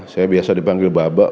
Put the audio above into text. saya biasa dipanggil babak